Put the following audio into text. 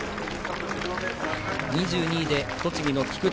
２２位で栃木の菊地。